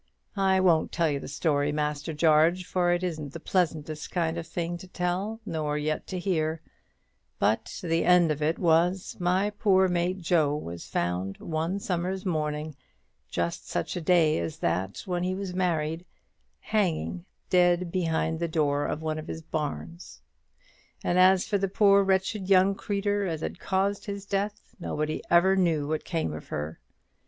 I won't tell you the story, Master Jarge; for it isn't the pleasantest kind o' thing to tell, nor yet to hear; but the end of it was, my poor mate Joe was found one summer's morning just such a day as that when he was married hanging dead behind the door of one of his barns; and as for the poor wretched young creetur as had caused his death, nobody ever knew what came of her.